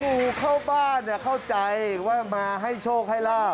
งูเข้าบ้านเข้าใจว่ามาให้โชคให้ลาบ